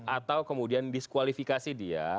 atau kemudian diskualifikasi dia